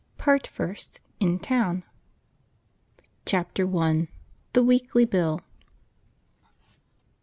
Part First In Town. Chapter I. The weekly bill.